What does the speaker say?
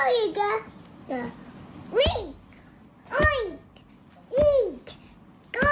อีก